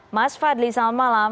mas fadli selamat malam